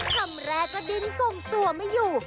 คำแรกก็ดิ้นทรงตัวไม่อยู่